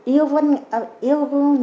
yêu với nhà công